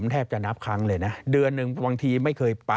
ท่านรองเคยเดินตลาดนี้ไหมฮะ